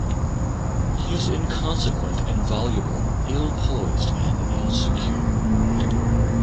He is inconsequent and voluble, ill poised and insecure.